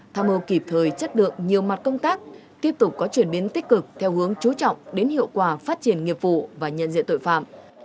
tham mưu kịp thời chất lượng nhiều mặt công tác tiếp tục có chuyển biến tích cực theo hướng chú trọng đến hiệu quả phát triển nghiệp vụ và nhận diện tội phạm